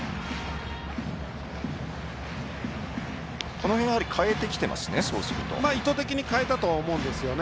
この辺はやはり変えてきていますね。